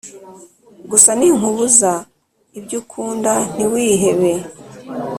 gusa ninkubuza, iby'ukund ntiwihebe